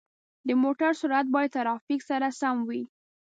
د موټر سرعت باید د ترافیک سره سم وي.